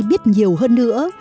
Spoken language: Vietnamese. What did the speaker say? biết nhiều hơn nữa